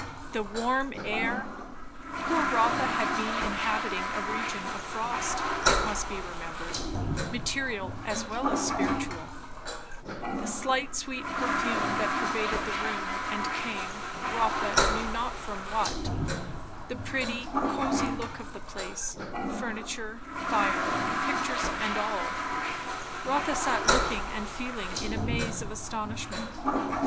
The warm air; poor Rotha had been inhabiting a region of frost, it must be remembered, material as well as spiritual; the slight sweet perfume that pervaded the room and came, Rotha knew not from what; the pretty, cosy look of the place, furniture, fire, pictures and all; Rotha sat looking and feeling in a maze of astonishment.